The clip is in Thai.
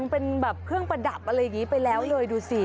เป็นแบบเครื่องประดับอะไรอย่างนี้ไปแล้วเลยดูสิ